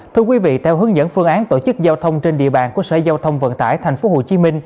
thưa quý vị theo hướng dẫn phương án tổ chức giao thông trên địa bàn của sở giao thông vận tải tp hcm